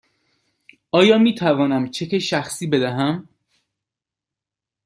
آیا می توانم چک شخصی بدهم؟